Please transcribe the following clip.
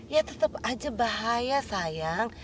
ya tetap aja bahaya sayang